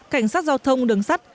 cảnh sát giao thông đường sắt